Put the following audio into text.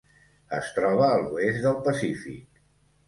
Es troba a l'oest del Pacífic.